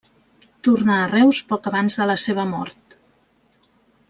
Tornà a Reus poc abans de la seva mort.